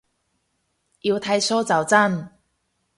要剃鬚就真